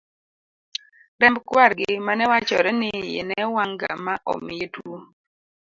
remb kwargi mane wachore ni iye newang'ga ma omiye tuwo